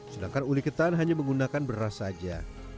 sedangkan uli ketan hanya menggunakan beras saja